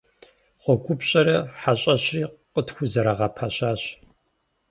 ГъуэгупщӀэри хьэщӀэщри къытхузэрагъэпэщащ.